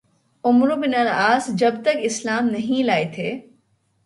عمرو بن العاص جب تک اسلام نہیں لائے تھے